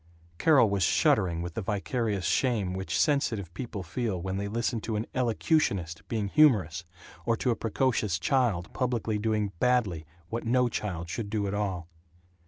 Carol was shuddering with the vicarious shame which sensitive people feel when they listen to an "elocutionist" being humorous, or to a precocious child publicly doing badly what no child should do at all.